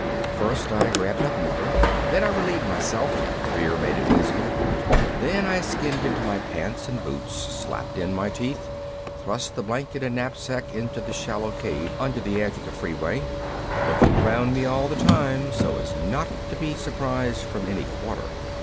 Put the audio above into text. First I grabbed up Mother. Then I relieved myself fear made it easy. Then I skinned into my pants and boots, slapped in my teeth, thrust the blanket and knapsack into the shallow cave under the edge of the freeway, looking around me all the time so as not to be surprised from any quarter.